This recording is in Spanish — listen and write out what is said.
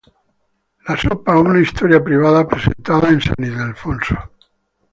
La sopa una historia privada, presentada en San Ildefonso.